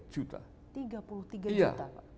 tiga puluh tiga juta pak